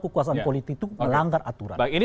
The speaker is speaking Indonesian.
kekuasaan politik itu melanggar aturan ini